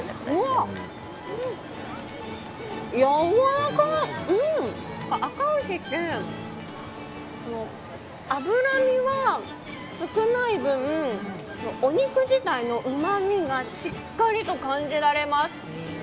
あか牛って、脂身は少ない分お肉自体のうまみがしっかりと感じられます。